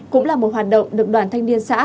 cũng là một hoạt động được đoàn thanh niên xã